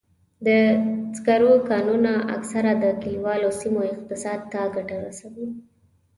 د سکرو کانونه اکثراً د کلیوالو سیمو اقتصاد ته ګټه رسوي.